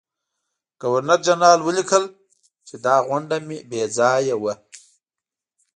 ګورنرجنرال ولیکل چې دا غونډه بې ځایه وه.